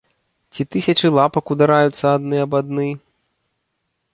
Ці тысячы лапак удараюцца адны аб адны?